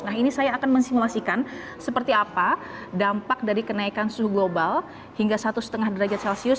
nah ini saya akan mensimulasikan seperti apa dampak dari kenaikan suhu global hingga satu lima derajat celcius